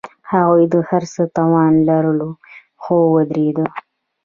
هغوی د هر څه توان لرلو، خو ودریدل.